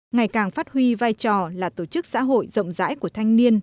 ngày càng phát huy vai trò là tổ chức xã hội rộng rãi của thanh niên